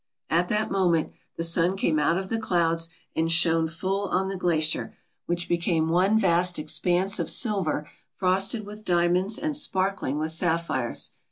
At that moment the sun came out of the clouds and shone full on the glacier, which became one vast expanse of silver frosted with diamonds and sparkling with sapphires.